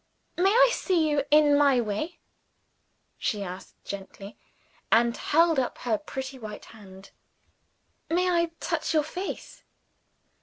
"May I see you, in my way?" she asked gently and held up her pretty white hand. "May I touch your face?"